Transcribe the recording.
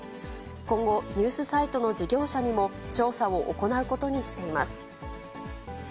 今後、ニュースサイトの事業者にも、調査を行うことにしています。